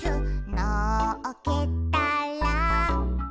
「のっけたら」